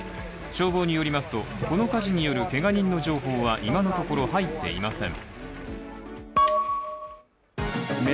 消防によると、この火事によるけが人の情報は今のところ入っていません。